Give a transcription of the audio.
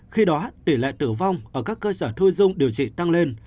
khi đó tỷ lệ tử vong ở các cơ sở thu dung điều trị tăng lên